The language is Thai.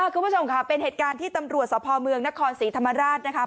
คุณผู้ชมค่ะเป็นเหตุการณ์ที่ตำรวจสภเมืองนครศรีธรรมราชนะคะ